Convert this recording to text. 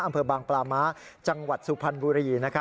อำเภอบางปลาม้าจังหวัดสุพรรณบุรี